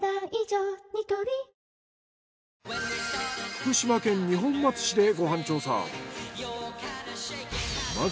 福島県二本松市でご飯調査。